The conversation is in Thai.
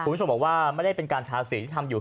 คุณผู้ชมบอกว่าไม่ได้เป็นการทาสีที่ทำอยู่